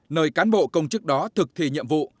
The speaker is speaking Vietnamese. nơi cán bộ công chức đó thực thi nhiệm vụ